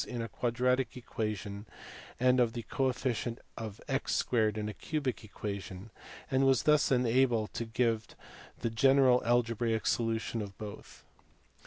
in a quadratic equation and of the coefficient of x 2 in a cubic equation, and was thus enabled to give the general algebraic solution of both.